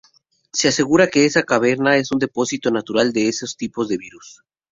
Se asegura que esa caverna es un depósito natural de esos tipos de virus.